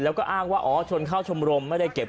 แล้วก็อ้างว่าอ๋อชนเข้าชมรม